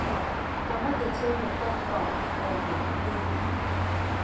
搭乜嘢車去北角傲龍軒